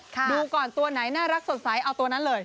ดูก่อนตัวไหนน่ารักสดใสเอาตัวนั้นเลย